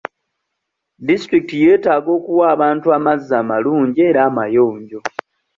Disitulikiti yetaaga okuwa abantu amazzi amalungi era amayonjo.